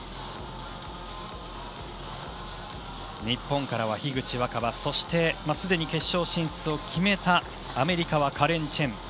日本からは樋口新葉、そしてすでに決勝進出を決めたアメリカのカレン・チェン。